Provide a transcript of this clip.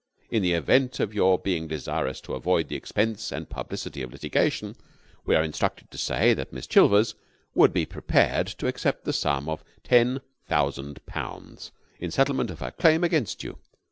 In the event of your being desirous to avoid the expense and publicity of litigation, we are instructed to say that Miss Chilvers would be prepared to accept the sum of ten thousand pounds in settlement of her claim against you.